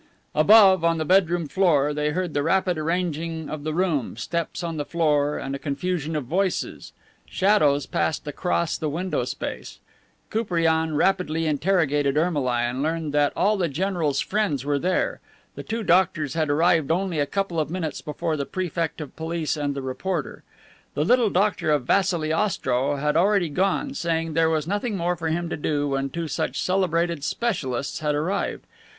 Above on the bedroom floor, they heard the rapid arranging of the room, steps on the floor and a confusion of voices; shadows passed across the window space. Koupriane rapidly interrogated Ermolai and learned that all the general's friends were there. The two doctors had arrived only a couple of minutes before the Prefect of Police and the reporter. The little doctor of Vassili Ostrow had already gone, saying there was nothing more for him to do when two such celebrated specialists had arrived.